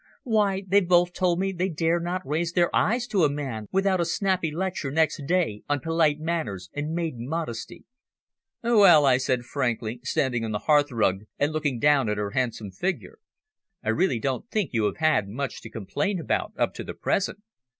Why, they've both told me they dare not raise their eyes to a man without a snappy lecture next day on polite manners and maiden modesty." "Well," I said frankly, standing on the hearthrug, and looking down at her handsome figure: "I really don't think you have had much to complain about up to the present.